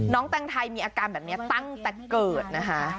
แตงไทยมีอาการแบบนี้ตั้งแต่เกิดนะคะ